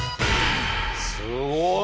すごい！